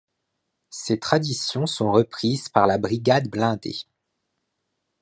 Ses traditions sont reprises par la Brigade Blindée.